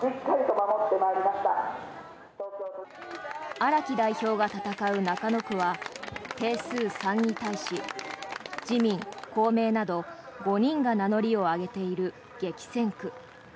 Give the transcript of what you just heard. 荒木代表が戦う中野区は定数３に対し自民・公明など５人が名乗りを上げている激戦区。